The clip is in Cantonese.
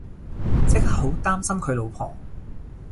即刻好擔心佢老婆